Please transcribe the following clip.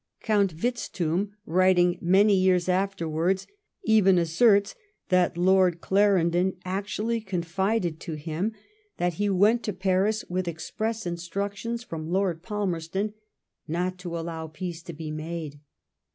Count Vitzthum, writing many years afterwards, even asserts that Lord Clarendon actually confided to him i 172 LIFE OF VISCOUNT FALMER8T0N. that he went to Paris with express instraotions from Lord Palmerston not to allow peace to be made.